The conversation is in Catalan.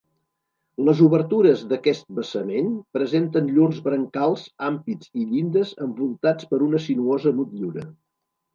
Les obertures d'aquest basament presenten llurs brancals, ampits i llindes envoltats per una sinuosa motllura.